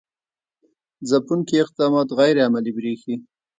ځپونکي اقدامات غیر عملي برېښي.